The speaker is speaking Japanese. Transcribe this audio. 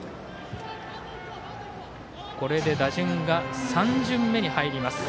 これで打順が３巡目に入ります。